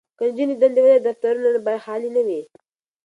که نجونې دندې ولري نو دفترونه به خالي نه وي.